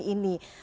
di saat pandemi ini